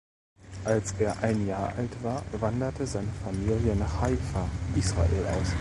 Als er ein Jahr alt war, wanderte seine Familie nach Haifa, Israel aus.